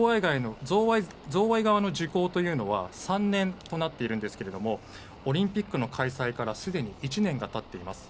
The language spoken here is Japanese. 贈賄側の時効というのは３年となっているんですけれどもオリンピックの開催からすでに１年が経っています。